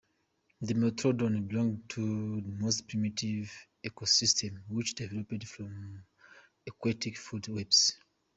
"Dimetrodon" belonged to the most primitive ecosystem, which developed from aquatic food webs.